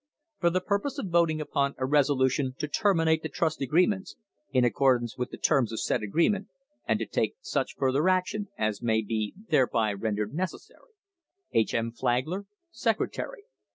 for the purpose of voting upon a resolution THE HISTORY OF THE STANDARD OIL COMPANY to terminate the trust agreement, in accordance with the terms of said agreement, and to take such further action as may be thereby rendered necessary. H. M. FLAGLER, Secretary.